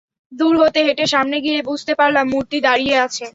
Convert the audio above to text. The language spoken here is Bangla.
দূর হতে হেঁটে সামনে গিয়ে বুঝতে পারলাম মূর্তি দাঁড়িয়ে আছে।